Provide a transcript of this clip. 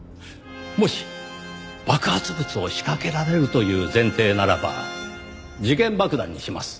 もし爆発物を仕掛けられるという前提ならば時限爆弾にします。